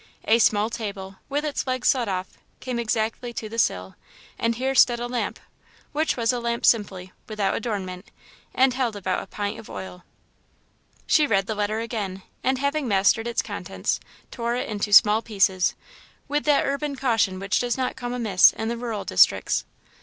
A small table, with its legs sawed off, came exactly to the sill, and here stood a lamp, which was a lamp simply, without adornment, and held about a pint of oil. She read the letter again and, having mastered its contents, tore it into small pieces, with that urban caution which does not come amiss in the rural districts.